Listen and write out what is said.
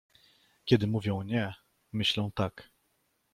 Kiedy mówią „nie”, myślą „tak”.